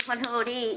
hoàng hư đi